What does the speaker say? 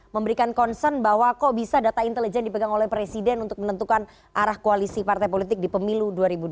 memberikan concern bahwa kok bisa data intelijen dipegang oleh presiden untuk menentukan arah koalisi partai politik di pemilu dua ribu dua puluh